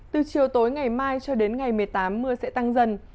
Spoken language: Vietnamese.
từ chiều tối ngày mai cho đến ngày một mươi tám mưa sẽ tăng dần